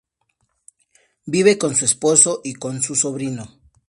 Vive con su esposo y con su sobrino.